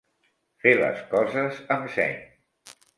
Fer les coses amb seny.